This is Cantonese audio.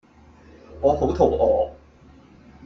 我好肚餓